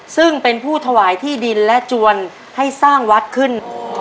ซึ่งเป็นผู้ถวายที่ดินและจวนให้สร้างวัดขึ้น